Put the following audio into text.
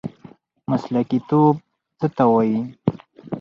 مسلکي توب څه ته وایي؟